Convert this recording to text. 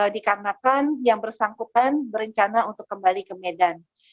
dikarenakan yang bersangkutan berencana untuk kembali ke medan